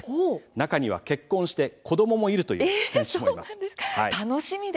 中には結婚して子どももいるという選手もいます。